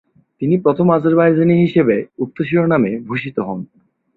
তিনি প্রথম আজারবাইজানি হিসেবে উক্ত শিরোনামে ভূষিত হন।